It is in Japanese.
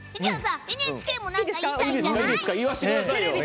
ＮＨＫも何か言いたいんじゃない？